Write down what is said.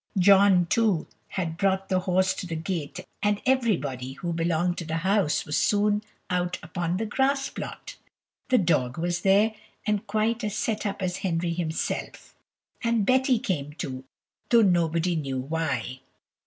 John, too, had brought the horse to the gate, and everybody who belonged to the house was soon out upon the grass plot; the dog was there, and quite as set up as Henry himself; and Betty came too, though nobody knew why.